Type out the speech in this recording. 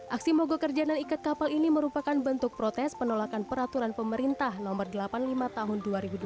aksi mogok kerja dan ikat kapal ini merupakan bentuk protes penolakan peraturan pemerintah no delapan puluh lima tahun dua ribu dua puluh